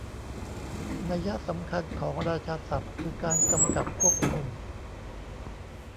นัยยะสำคัญของราชาศัพท์คือการกำกับควบคุม